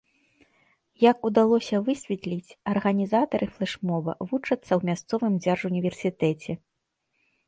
Як удалося высветліць, арганізатары флэш-моба вучацца ў мясцовым дзяржуніверсітэце.